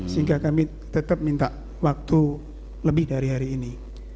sehingga kami tetap minta waktu lebih dari hari ini